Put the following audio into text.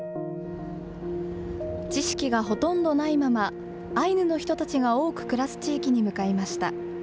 知識がほとんどないまま、アイヌの人たちが多く暮らす地域に向かいました。